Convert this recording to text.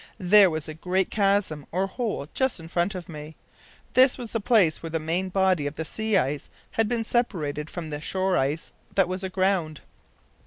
There was a great chasm or hole just in front of me. This was the place where the main body of the sea ice had been separated from the shore ice that was aground.